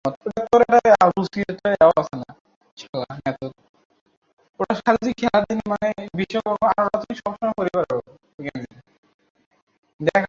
না, এটা মথ।